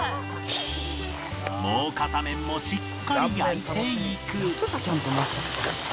もう片面もしっかり焼いていく